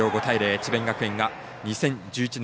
智弁学園が２０１１年